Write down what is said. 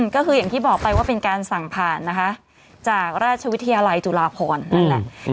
ก็คืออย่างที่บอกไปว่าเป็นการสั่งผ่านนะคะจากราชวิทยาลัยจุฬาพรนั่นแหละ